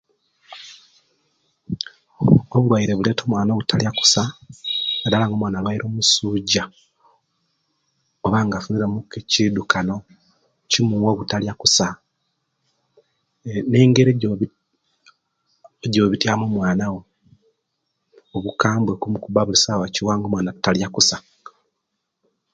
Obulwaire buleta omwana obutalia kusa nadala nga omwana alwaire omusujja oba nga afuniremu ekidukano kimuwa obutalia okusa ne nengeri ejjobitia ejjobitiamu omwana wo obukabwe okumukubba bulisawa kiwa nga omwana talia kusa